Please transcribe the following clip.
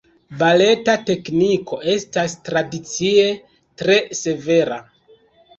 Baleta tekniko estas tradicie tre severa.